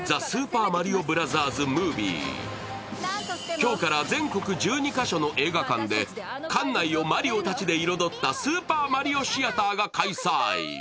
今日から全国１２か所の映画館で館内をマリオたちで彩ったスーパーマリオシアターが開催。